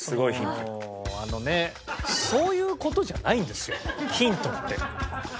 もうあのねそういう事じゃないんですよヒントって。